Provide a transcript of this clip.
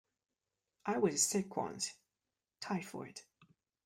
I was sick once -- typhoid.